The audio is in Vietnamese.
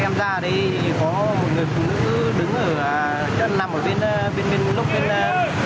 lúc em ra đây có một người cứ đứng ở nằm ở bên lúc bên trái